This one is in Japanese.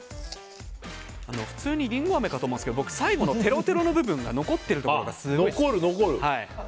普通にりんごあめかと思いますけど僕、最後のテロテロの部分が残っているところが残る、残る。